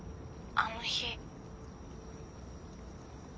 あの日？